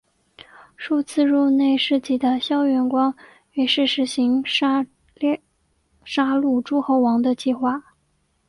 数次入内侍疾的萧遥光于是施行杀戮诸侯王的计划。